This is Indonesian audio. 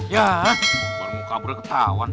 ya baru mau kabur ketahuan